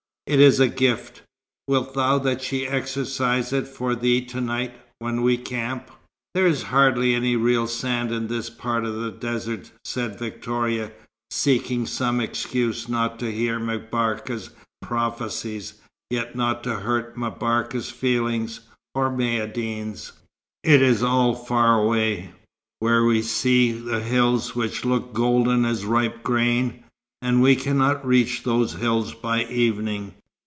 It is a gift. Wilt thou that she exercise it for thee to night, when we camp?" "There is hardly any real sand in this part of the desert," said Victoria, seeking some excuse not to hear M'Barka's prophecies, yet not to hurt M'Barka's feelings, or Maïeddine's. "It is all far away, where we see the hills which look golden as ripe grain. And we cannot reach those hills by evening."